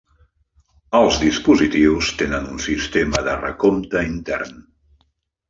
Els dispositius tenen un sistema de recompte intern.